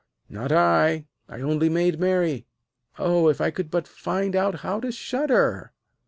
'Not I. I only made merry. Oh, if I could but find out how to shudder.'